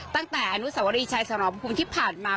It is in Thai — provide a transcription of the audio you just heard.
ตั้งแต่อนุสวรีชัยสมภูมิที่ผ่านมา